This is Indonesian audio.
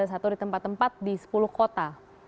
atau di tempat tempat di sepuluh kota